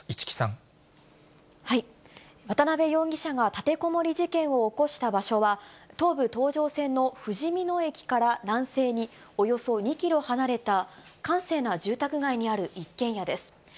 渡辺容疑者が立てこもり事件を起こした場所は、東武東上線のふじみ野駅から南西におよそ２キロ離れた、閑静な住宅街にある一軒家です。